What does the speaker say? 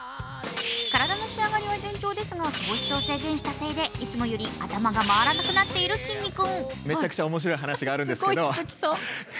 体の仕上がりは順調ですが糖質を制限したせいでいつもより頭が回らなくなっているきんに君。